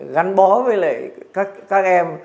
gắn bó với lại các em